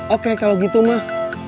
oke kalau gitu mah